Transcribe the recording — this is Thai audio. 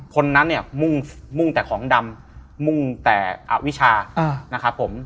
คนนั้นเนี่ยมุ่งมุ่งแต่ของดำมุ่งแต่อวิชานะครับผม